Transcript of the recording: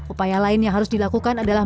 upaya lain yang harus dilakukan adalah